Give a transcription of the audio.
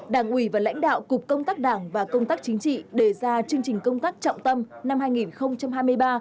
đảng ủy và lãnh đạo cục công tác đảng và công tác chính trị đề ra chương trình công tác trọng tâm năm hai nghìn hai mươi ba